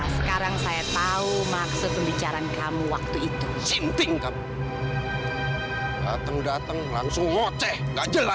sampai jumpa di video selanjutnya